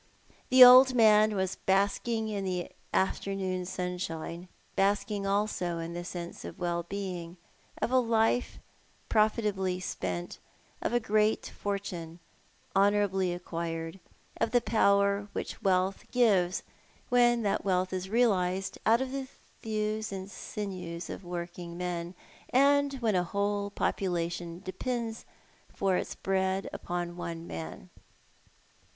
The old man was basking in the afternoon sun shine, basking also in the sense of well being, of a life profitably spent, of a great fortune honourably acquired, of the power which wealth gives when that wealth is realised out of the thews and sinews of working men, and when a whole population depends for its bread upon one man.